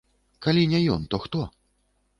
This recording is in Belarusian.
Калі не ён, то хто?